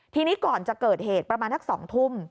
ทีนี้ก่อนจะเกิดเหตุประมาณทัก๒ทุ่ม